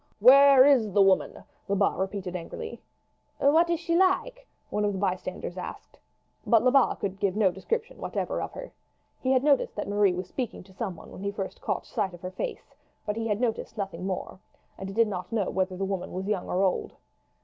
"Where is the woman?" Lebat repeated angrily. "What is she like?" one of the bystanders asked. But Lebat could give no description whatever of her. He had noticed that Marie was speaking to some one when he first caught sight of her face; but he had noticed nothing more, and did not know whether the woman was young or old.